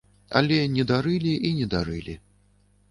Але не дарылі і не дарылі.